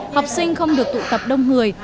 học sinh không được tụ tập đông người